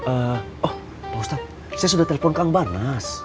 oh pak ustadz saya sudah telepon ke ang barnas